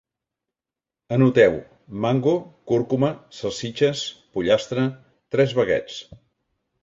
Anoteu: mango, cúrcuma, salsitxes, pollastre, tres baguets